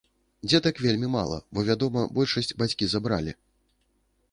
Дзетак вельмі мала, бо, вядома, большасць бацькі забралі.